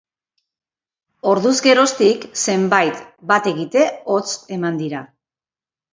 Orduz geroztik zenbait bat-egite hotz eman dira.